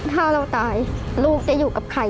ถ้าเราตายลูกจะอยู่กับใคร